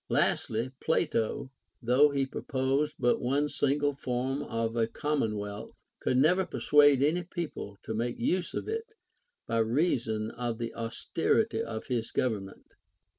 Lastly, Plato, though he pro posed but one single form of a commonwealth, could never persuade any people to make use of it, by reason of the aus terity of his government.